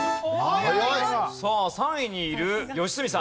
さあ３位にいる良純さん。